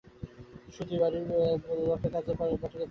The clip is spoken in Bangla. সুতি শাড়িতে ব্লকের কাজ আর পাড়ে ছিল বাটিকের ছাপ।